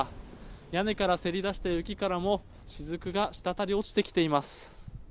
屋根からせりだした雪からも滴がしたたり落ちてきます。